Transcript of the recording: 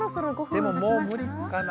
でももう無理かな？